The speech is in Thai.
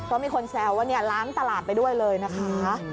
ก็มีคนแซวว่าล้างตลาดไปด้วยเลยนะคะ